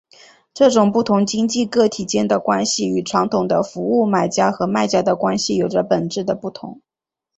这种不同经济个体间的关系与传统的服务买家和卖家的关系有着本质的不同。